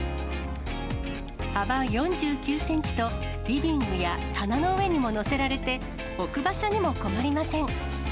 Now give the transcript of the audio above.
幅４９センチと、リビングや棚の上にも載せられて、置く場所にも困りません。